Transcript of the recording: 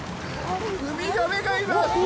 ウミガメがいます！